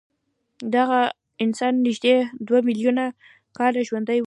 دغه انسان نږدې دوه میلیونه کاله ژوند وکړ.